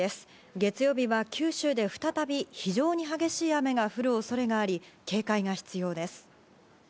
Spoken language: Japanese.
月曜日は九州で再び非常に激しい雨が降る恐れがあり警戒が必要です。